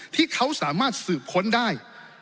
ที่เขาสามารถสืบค้นได้